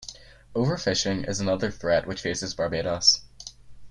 Overfishing is another threat which faces Barbados.